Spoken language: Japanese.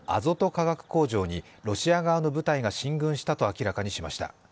化学工場にロシア側の部隊が進軍したと明らかにしました。